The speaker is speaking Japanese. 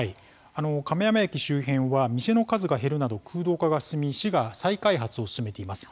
亀山駅周辺は店の数が減るなど空洞化が進み市が再開発を進めています。